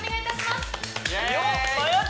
よっ